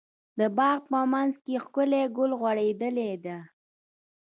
د باغ په منځ کې ښکلی ګل غوړيدلی ده.